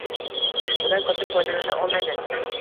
undan ko‘pchilik foydalana olmaydi.